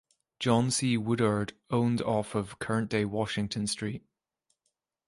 John C. Woodard owned off of current day Washington Street.